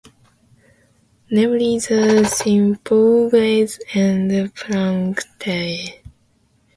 Namely, the Symplegades and the Planctae.